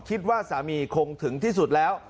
คิดว่าสามีคงถึงที่สุดแล้ว